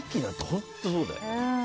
本当、そうだよ。